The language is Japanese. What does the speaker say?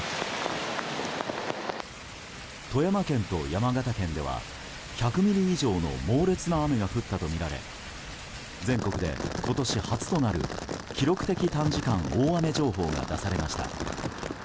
富山県と山形県では１００ミリ以上の猛烈な雨が降ったとみられ全国で今年初となる記録的短時間大雨情報が出されました。